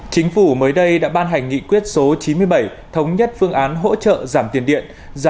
chính phủ mới đây đã ban hành nghị quyết số chín mươi bảy thống nhất phương án hỗ trợ giảm tiền điện